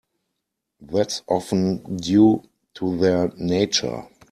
That's often due to their nature.